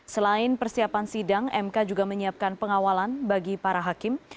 selain persiapan sidang mk juga menyiapkan pengawalan bagi para hakim